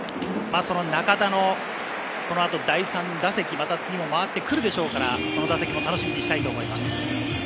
中田のこの後の第３打席、また次も回ってくるでしょうから、楽しみにしたいと思います。